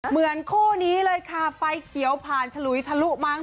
เหมือนคู่นี้เลยค่ะไฟเขียวผ่านฉลุยทะลุมั้ง